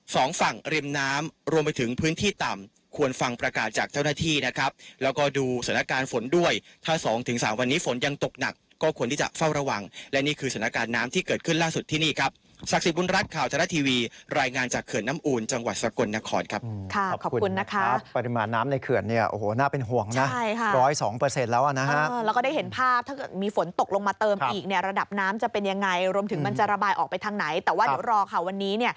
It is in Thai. สองฝั่งรีมน้ำรวมไปถึงพื้นที่ต่ำควรฟังประกาศจากเจ้าหน้าที่นะครับแล้วก็ดูสถานการณ์ฝนด้วยถ้าสองถึงสามวันนี้ฝนยังตกหนักก็ควรที่จะเฝ้าระวังและนี่คือสถานาการณ์น้ำที่เกิดขึ้นล่าสุดที่นี่ครับศักดิ์ศิษย์บุญรัชน์ความเท่าที่วีรายงานจากเขื่อนน้ำอุ๋นจังหวั